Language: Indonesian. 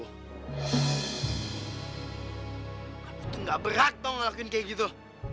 kamu tuh gak berat tau ngelakuin kayak gitu